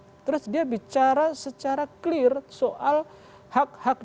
itu kita lihat karena dari pride being schritt to the change